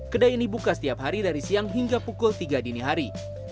kedai ini buka setiap hari dari siang hingga pukul tiga dini hari